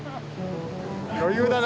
余裕だな。